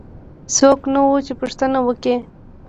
څوک نه وو چې پوښتنه وکړي.